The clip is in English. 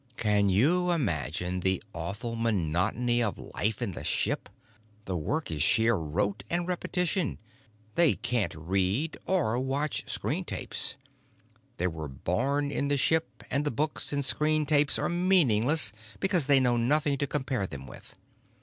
"Can you imagine the awful monotony of life in the ship? The work is sheer rote and repetition. They can't read or watch screentapes. They were born in the ship, and the books and screentapes are meaningless because they know nothing to compare them with.